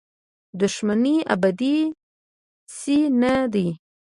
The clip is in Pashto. دښمني ابدي شی نه دی.